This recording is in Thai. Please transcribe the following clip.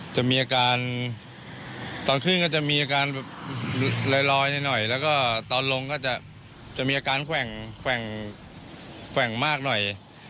จะมีอาการตอนขึ้นก็จะมีอาการแบบลอยนิดหน่อยแล้วก็ตอนลงก็จะมีอาการแขว่งมากหน่อย